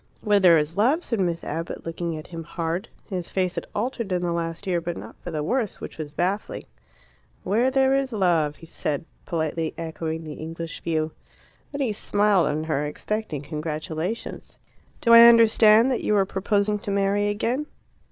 "Where there is love," said Miss Abbott, looking at him hard. His face had altered in the last year, but not for the worse, which was baffling. "Where there is love," said he, politely echoing the English view. Then he smiled on her, expecting congratulations. "Do I understand that you are proposing to marry again?"